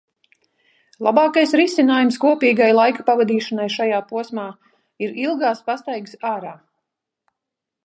Labākais risinājums kopīgai laika pavadīšanai šajā posmā ir ilgās pastaigās ārā.